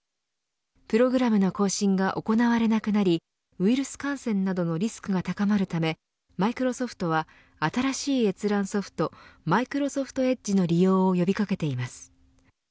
プログラムの更新が行われなくなりウイルス感染などのリスクが高まるためマイクロソフトは新しい閲覧ソフトマイクロソフトエッジの利用を呼び掛けています。